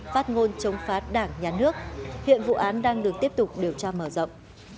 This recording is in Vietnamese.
phát ngôn chống phát đảng nhà nước hiện vụ án đang đứng tiếp tục điều tra mở rộng